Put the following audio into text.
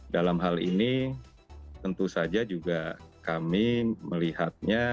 dalam hal ini tentu saja juga kami melihatnya